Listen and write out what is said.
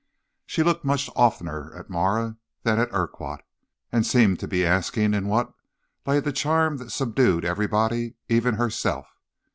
She looked much oftener at Marah than at Urquhart, and seemed to be asking in what lay the charm that subdued everybody, even herself.